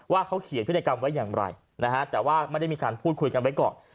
ว่าเขาเขียนพฤติกรรมไว้อย่างไรนะฮะแต่ว่าไม่ได้มีการพูดคุยกันไว้ก่อน